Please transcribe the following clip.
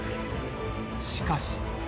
しかし。